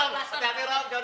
ternyata rob jon nih